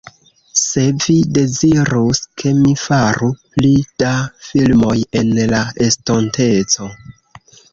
se vi dezirus, ke mi faru pli da filmoj en la estonteco